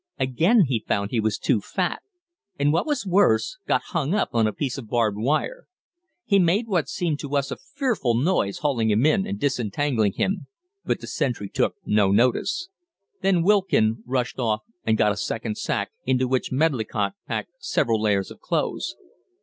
Again he found he was too fat and what was worse got hung up on a piece of barbed wire. We made what seemed to us a fearful noise hauling him in and disentangling him, but the sentry took no notice. Then Wilkin rushed off and got a second sack, into which Medlicott packed several layers of clothes.